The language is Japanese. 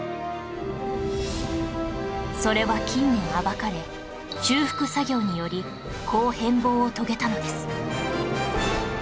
それは近年暴かれ修復作業によりこう変貌を遂げたのです